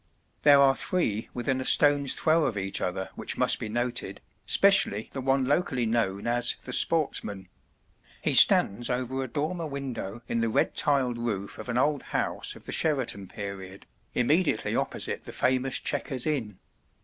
There are three within a stone's throw of each other which must be noted, specially the one locally known as "The Sportsman" he stands over a dormer window in the red tiled roof of an old house of the Sheraton period, immediately opposite the famous "Chequers Inn."